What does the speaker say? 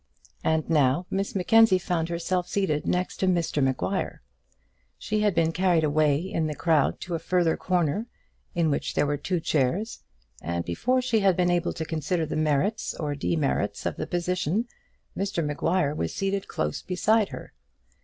And now Miss Mackenzie found herself seated next to Mr Maguire. She had been carried away in the crowd to a further corner, in which there were two chairs, and before she had been able to consider the merits or demerits of the position, Mr Maguire was seated close beside her.